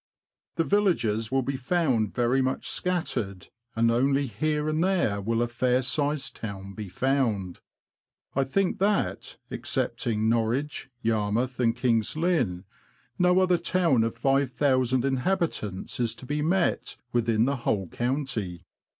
The villages will be found very much scattered, and only here and there will a fair sized town be found. I think that, excepting Norwich, Yarmouth, and King's Lynn, no other town of 5000 inhabitants is to be met with in the whole county.